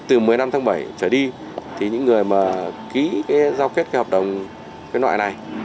từ một mươi năm tháng bảy trở đi thì những người mà giao kết cái hợp đồng cái loại này